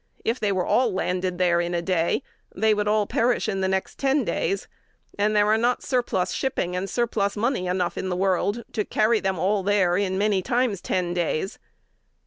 If they were all landed there in a day, they would all perish in the next ten days; and there are not surplus shipping and surplus money enough in the world to carry them there in many times ten days.